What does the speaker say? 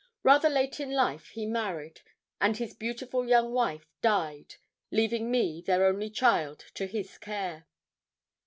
Rather late in life he married, and his beautiful young wife died, leaving me, their only child, to his care.